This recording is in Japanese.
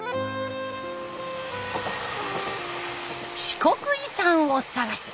四国遺産を探す